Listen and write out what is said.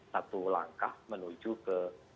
satu langkah menuju ke